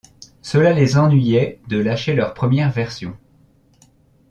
Cela les ennuyait de lâcher leur première version.